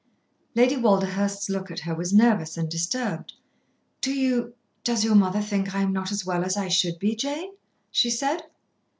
Lady Walderhurst's look at her was nervous and disturbed. "Do you does your mother think I am not as well as I should be, Jane?" she said.